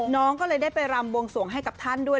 น้องก็เลยได้ไปรำบวงสวงให้กับท่านด้วย